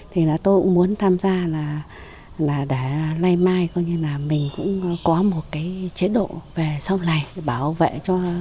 thì là tôi cũng muốn tham gia là để lây mai mình cũng có một chế độ về sau này bảo vệ cho